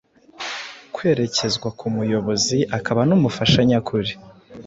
kwerekezwe ku Muyobozi akaba n’Umufasha nyakuri!